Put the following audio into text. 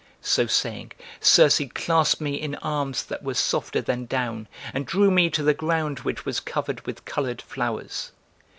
So saying, Circe clasped me in arms that were softer than down and drew me to the ground which was covered with colored flowers.